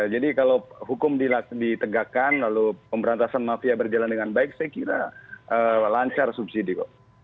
jadi kalau hukum ditegakkan lalu pemberantasan mafia berjalan dengan baik saya kira lancar subsidi kok